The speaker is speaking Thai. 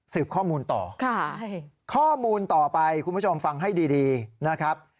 ข้อมูลต่อข้อมูลต่อไปคุณผู้ชมฟังให้ดีนะครับ